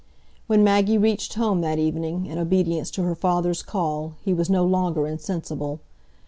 When Maggie reached home that evening, in obedience to her father's call, he was no longer insensible.